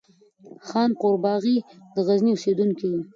خان قرباغی د غزني اوسيدونکی وو